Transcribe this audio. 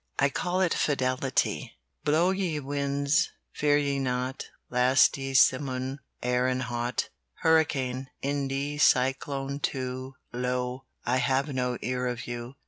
I call it "FIDELITY "Blow, ye winds, I fear ye not; Blast, ye simoon, Sere and hot! "Hurricane, And cyclone, too, Blow, I have no Fear of you.